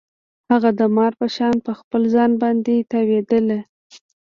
هغه د مار په شان په خپل ځان باندې تاوېدله.